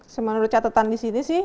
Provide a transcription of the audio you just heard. semenur catatan di sini sih